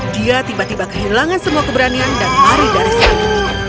dia tiba tiba kehilangan semua keberanian dan lari dari kami